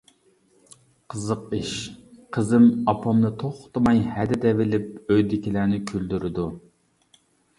قىزىق ئىش، قىزىم ئاپامنى توختىماي ھەدە دەۋېلىپ ئۆيدىكىلەرنى كۈلدۈرىدۇ.